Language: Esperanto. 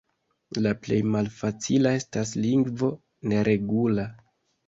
La plej malfacila estas lingvo neregula.